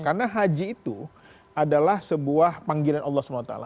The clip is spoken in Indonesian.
karena haji itu adalah sebuah panggilan allah swt